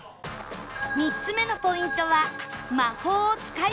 ３つ目のポイントは